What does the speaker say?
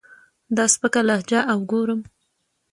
دا سپکه لهجه اوګورم